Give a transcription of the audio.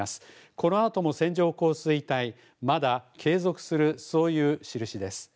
このあとも線状降水帯、まだ継続する、そういう印です。